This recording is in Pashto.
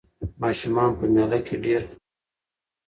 ماشومان په مېله کې ډېر خوند اخلي.